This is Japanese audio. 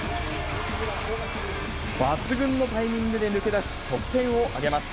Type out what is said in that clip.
抜群のタイミングで抜け出し、得点を挙げます。